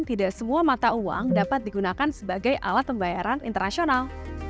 tidak semua mata uang dapat digunakan sebagai alat pembayaran internasional